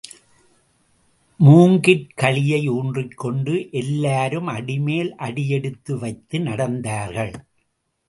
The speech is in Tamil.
மூங்கிற் கழியை ஊன்றிக்கொண்டு எல்லாரும் அடிமேல் அடி எடுத்து வைத்து நடத்தார்கள்.